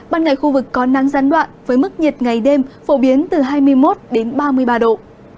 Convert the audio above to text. ban ngày khu vực có nắng gián đoạn với mức nhiệt ngày đêm phổ biến từ hai mươi một đến ba mươi ba độ